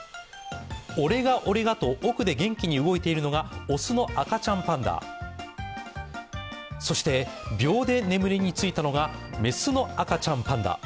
オレがオレがと奥で元気に動いているのが雄の赤ちゃんパンダそして秒で眠りについたのが雌の赤ちゃんパンダ。